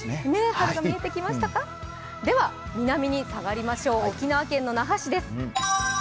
南に下がりましょう、沖縄県の那覇市です。